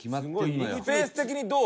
スペース的にどう？